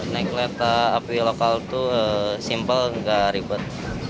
naik kereta api lokal itu simple nggak ribet